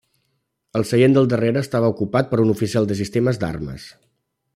El seient del darrere estava ocupat per un oficial de sistemes d'armes.